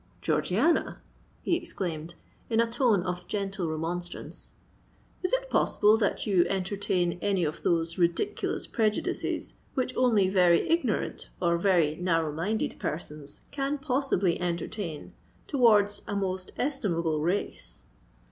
"Georgiana," he exclaimed, in a tone of gentle remonstrance, "is it possible that you entertain any of those ridiculous prejudices which only very ignorant or very narrow minded persons can possibly entertain towards a most estimable race?"